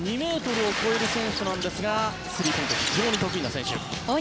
２ｍを超える選手ですがスリーポイントが非常に得意な選手です。